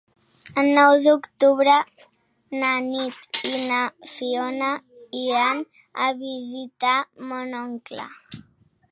El nou d'octubre na Nit i na Fiona iran a visitar mon oncle.